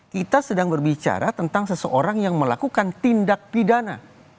kita sedang berbicara tentang seseorang yang melakukan tindak pidana